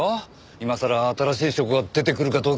今さら新しい証拠が出てくるかどうか。